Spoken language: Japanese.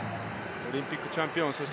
オリンピックチャンピオン８００ｍ